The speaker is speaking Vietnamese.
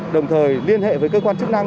đồng thời liên hệ với cơ quan chức năng